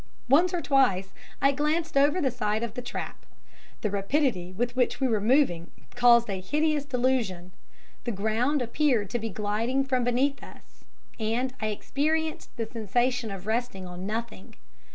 Once or twice I glanced over the side of the trap. The rapidity with which we were moving caused a hideous delusion the ground appeared to be gliding from beneath us; and I experienced the sensation of resting on nothing.